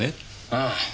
ああ